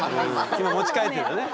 今持ち帰ってるのね。